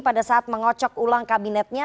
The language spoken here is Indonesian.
pada saat mengocok ulang kabinetnya